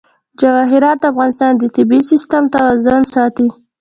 جواهرات د افغانستان د طبعي سیسټم توازن ساتي.